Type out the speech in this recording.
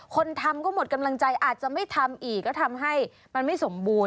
คนทำก็หมดกำลังใจอาจจะไม่ทำอีกก็ทำให้มันไม่สมบูรณ